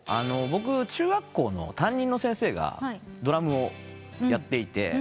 中学校の担任の先生がドラムをやっていて。